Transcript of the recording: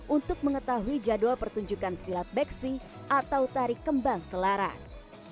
untuk mengetahui jadwal pertunjukan silat beksi atau tari kembang selaras